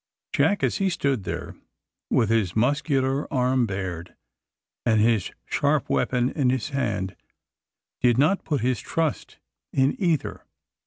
Jack, as he stood there, with his muscular arm bared and his sharp weapon in his hand, did not put his trust in either.